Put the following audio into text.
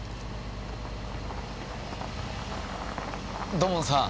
土門さん。